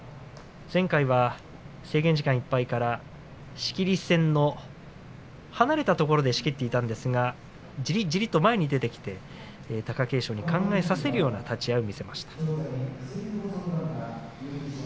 前回は制限時間いっぱいから仕切り線の離れたところで仕切っていたんですがじりじりと前に出てきて貴景勝に考えさせるような立ち合いを見せました。